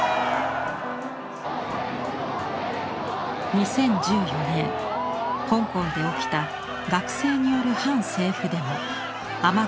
２０１４年香港で起きた学生による反政府デモ「雨傘運動」。